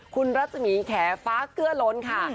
คุณรัศมีแขฟ้าเกลือล้นค่ะ